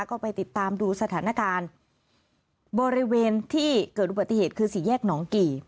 ก็ไปติดตามดูสถานการณ์บริเวณที่เกิดอุบัติเหตุคือสี่แยกหนองกี่